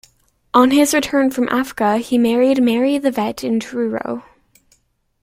On his return from Africa he married Marry Livett in Truro.